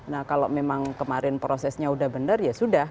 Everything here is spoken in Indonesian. nah kalau memang kemarin prosesnya sudah benar ya sudah